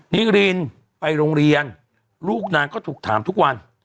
นิรินไปโรงเรียนลูกนางก็ถูกถามทุกวัน